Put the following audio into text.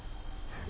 え？